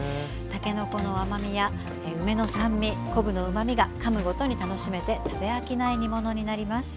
たけのこの甘みや梅の酸味昆布のうまみがかむごとに楽しめて食べ飽きない煮物になります。